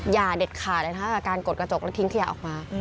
อย่าเด็ดขาดเลยนะคะกับการกดกระจกแล้วทิ้งขยะออกมา